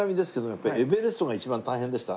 やっぱりエベレストが一番大変でした？